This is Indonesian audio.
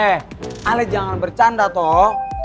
eh ale jangan bercanda toh